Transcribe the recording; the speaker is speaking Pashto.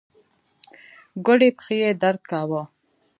ګوډې پښې يې درد کاوه.